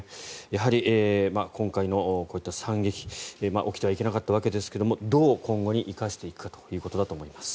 やはり今回のこういった惨劇起きてはいけなかったわけですがどう今後に生かしていくかということだと思います。